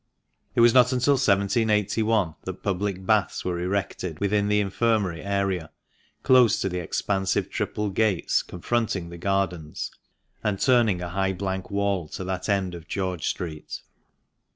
It was not until 1781 that Public Baths were erected within the Infirmary area, close to the expansive triple gates, confronting the gardens, and turning a high blank wall to that end of George Street.